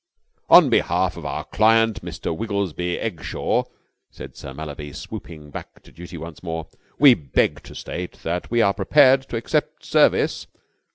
"On behalf of our client, Mr. Wibblesley Eggshaw," said Sir Mallaby, swooping back to duty once more, "we beg to state that we are prepared to accept service